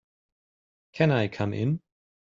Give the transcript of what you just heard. Can I come in?